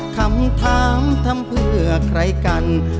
คำถามทำเพื่อใครกัน